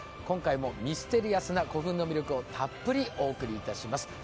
今回もミステリアスな古墳の魅力をたっぷりお送りいたします。